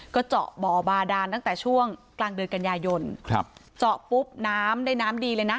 ก็เจาะบ่อบาดานตั้งแต่ช่วงกลางเดือนกันยายนครับเจาะปุ๊บน้ำได้น้ำดีเลยนะ